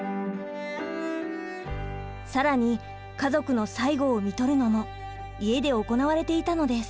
更に家族の最期をみとるのも家で行われていたのです。